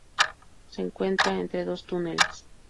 Se encuentra entre dos túneles.